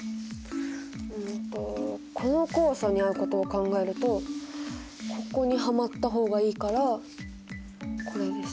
うんとこの酵素に合うことを考えるとここにはまった方がいいからこれですね。